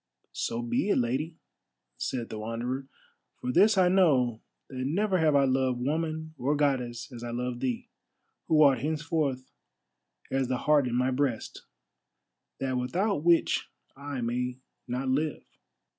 "So be it, Lady," said the Wanderer, "for this I know, that never have I loved woman or Goddess as I love thee, who art henceforth as the heart in my breast, that without which I may not live."